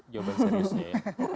jawaban seriusnya ya